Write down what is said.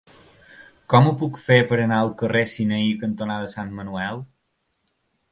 Com ho puc fer per anar al carrer Sinaí cantonada Sant Manuel?